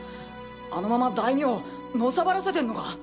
あのまま大名をのさばらせてんのか？